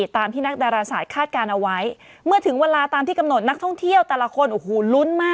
ตามที่นักดาราศาสตร์คาดการณ์เอาไว้เมื่อถึงเวลาตามที่กำหนดนักท่องเที่ยวแต่ละคนโอ้โหลุ้นมาก